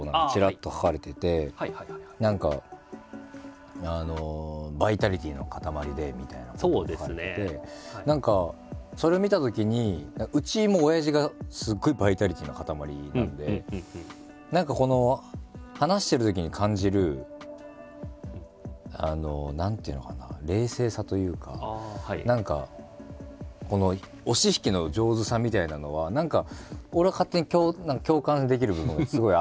何か「バイタリティーの塊で」みたいなことが書かれてて何かそれを見たときにうちも親父がすごいバイタリティーの塊なんで何かこの話してるときに感じる何ていうのかな冷静さというか何か押し引きの上手さみたいなのは何か俺は勝手に共感できる部分がすごいあって。